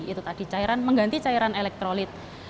itu tadi mengganti cairan elektrolit